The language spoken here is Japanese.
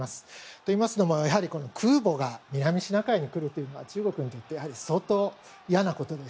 といいますのも、やはり空母が南シナ海に来るというのは中国にとって相当嫌なことです。